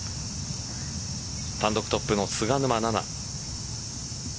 単独トップの菅沼菜々。